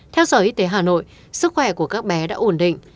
theo sở y tế hà nội sức khỏe của các bé đã ổn định